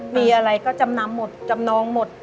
มีอะไรก็จำนำหมดจำนองหมด